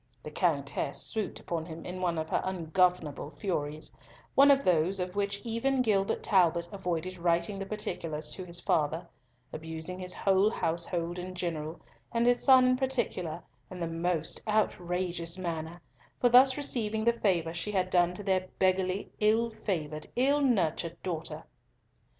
The Countess swooped upon him in one of her ungovernable furies—one of those of which even Gilbert Talbot avoided writing the particulars to his father—abusing his whole household in general, and his son in particular, in the most outrageous manner, for thus receiving the favour she had done to their beggarly, ill favoured, ill nurtured daughter.